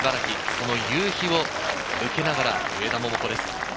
その夕日を受けながら、上田桃子です。